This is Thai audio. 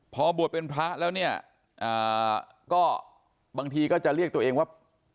พอบวชเป็นพระแล้วเนี่ยก็บางทีก็จะเรียกตัวเองว่า